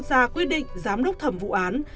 ra quyết định giám đốc thẩm vụ án